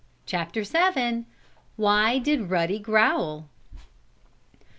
CHAPTER VII WHY DID RUDDY GROWL?